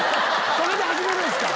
それで始めるんですか？